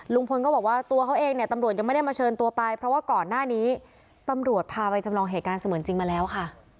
ลุงพลก็บอกว่าตัวเขาเองเนี่ยตำรวจยังไม่ได้มาเชิญตัวไปเพราะว่าก่อนหน้านี้ตำรวจพาไปจำลองเหตุการณ์เสมือนจริงมาแล้วค่ะ